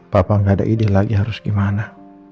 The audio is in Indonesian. papa nggak ada ide lagi harus gimana